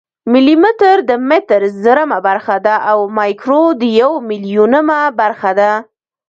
ملي متر د متر زرمه برخه ده او مایکرو د یو میلیونمه برخه ده.